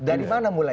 dari mana mulai